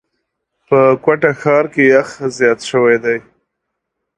په کوټه ښار کي یخ زیات شوی دی.